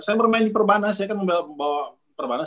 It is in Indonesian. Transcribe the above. saya pernah main di perbanah saya kan membawa perbanah